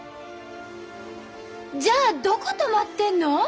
じゃあどこ泊まってんの？